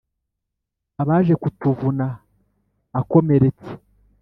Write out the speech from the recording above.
Abaje kutuvuna akomeretse